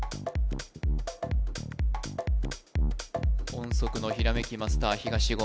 音速のひらめきマスター東言